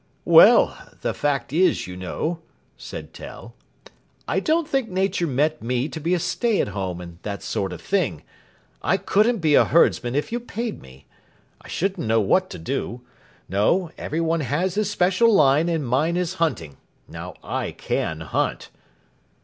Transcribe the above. "Well, the fact is, you know," said Tell, "I don't think Nature meant me to be a stay at home and that sort of thing. I couldn't be a herdsman if you paid me. I shouldn't know what to do. No; everyone has his special line, and mine is hunting. Now, I can hunt."